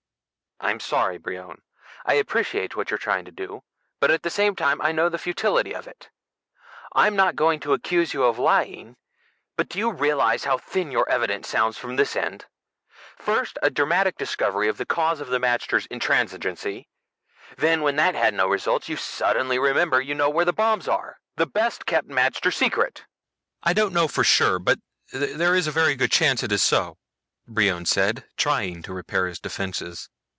"I'm sorry, Brion. I appreciate what you're trying to do, but at the same time I know the futility of it. I'm not going to accuse you of lying, but do you realize how thin your evidence sounds from this end? First, a dramatic discovery of the cause of the magters' intransigency. Then, when that had no results, you suddenly remember that you know where the bombs are. The best kept magter secret." "I don't know for sure, but there is a very good chance it is so," Brion said, trying to repair his defenses.